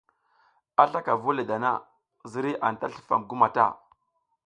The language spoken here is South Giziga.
A slaka vu le dana, ziriy anta slifam gu mata.